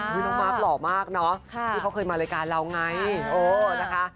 นี่น้องมาร์คหล่อมากเนาะที่เขาเคยมารายการเราไงนะคะ